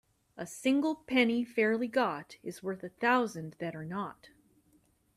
A single penny fairly got is worth a thousand that are not.